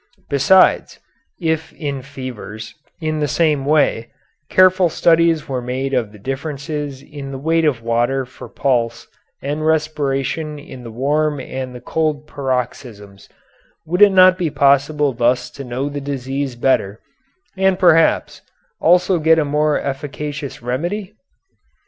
Besides, if in fevers, in the same way, careful studies were made of the differences in the weight of water for pulse and respiration in the warm and the cold paroxysms, would it not be possible thus to know the disease better and, perhaps, also get a more efficacious remedy?"